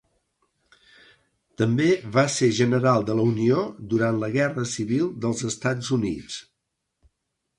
També va ser general de la Unió durant la Guerra Civil dels Estats Units.